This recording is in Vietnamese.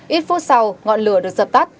ít phút sau ngọn lửa được dập tắt